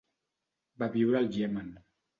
Va viure al Iemen.